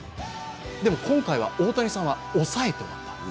でも、今回は大谷さんは抑えた。